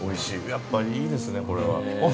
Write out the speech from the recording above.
やっぱりいいですね、これは。◆